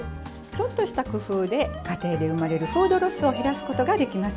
ちょっとした工夫で家庭で生まれるフードロスを減らすことができますよ。